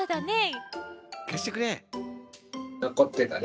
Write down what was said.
のこってたね。